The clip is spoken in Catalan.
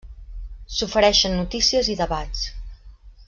S'ofereixen notícies i debats.